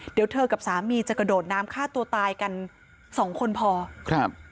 เดี๋ยวเธอกับสามีจะกระโดดน้ำฆ่าตัวตายกันสองคนพอครับ